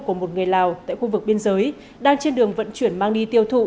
của một người lào tại khu vực biên giới đang trên đường vận chuyển mang đi tiêu thụ